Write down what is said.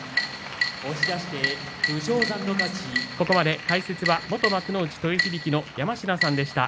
ここまで解説は元幕内豊響の山科さんでした。